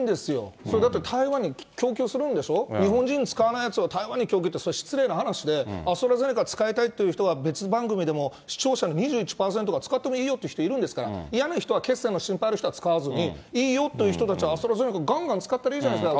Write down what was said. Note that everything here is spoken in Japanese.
それ、あと、台湾に供給するんでしょ、日本人使わないやつを台湾に供給って、それ、失礼な話で、アストラゼネカ使いたいという人は、別番組でも、視聴者の２１％が使ってもいいよって人いるんですから、嫌な人は、血栓の心配がある人は使わずに、いいよという人たち、アストラゼネカ、がんがん使ったらいいじゃないですか。